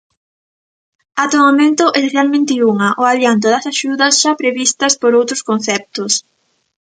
Ata o momento, esencialmente unha: o adianto das axudas xa previstas por outros conceptos.